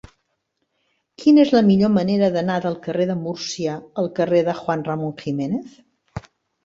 Quina és la millor manera d'anar del carrer de Múrcia al carrer de Juan Ramón Jiménez?